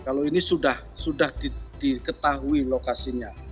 kalau ini sudah diketahui lokasinya